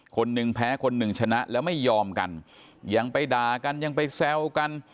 คนหนึ่งแพ้คนหนึ่งชนะแล้วไม่ยอมกันยังไปด่ากันยังไปแซวกัน